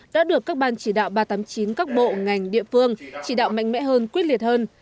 đã được các ban chỉ đạo ba trăm tám mươi chín các bộ ngành địa phương chỉ đạo mạnh mẽ hơn quyết liệt hơn